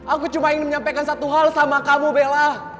aku cuma ingin menyampaikan satu hal sama kamu bella